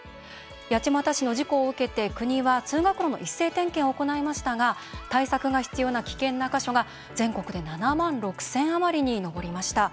八街市の事故を受けて国は通学路の一斉点検を行いましたが対策が必要な危険な箇所が全国で７万６０００余りに上りました。